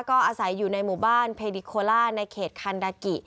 ก็อาศัยอยู่ในหมู่บ้านเพดิโคล่าในเขตคันดากิ